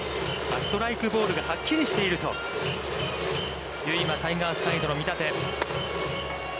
ストライク、ボールがはっきりしているという今、タイガースサイドの見立て。